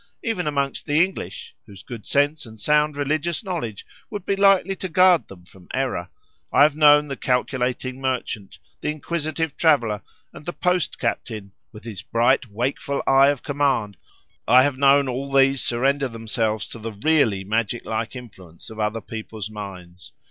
Even amongst the English (whose good sense and sound religious knowledge would be likely to guard them from error) I have known the calculating merchant, the inquisitive traveller, and the post captain, with his bright, wakeful eye of command—I have known all these surrender themselves to the really magic like influence of other people's minds.